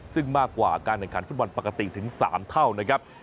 ซึ่งมากกว่าการแข่งขันฟุตบอลปกติถึง๓เท่านะครับ